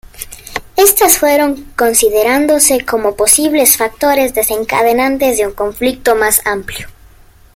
Estas fueron considerándose como posibles factores desencadenantes de un conflicto más amplio.